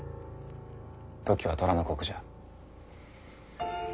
時は寅の刻じゃ。